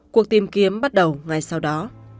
cuộc tìm kiếm bắt đầu ngay sau đó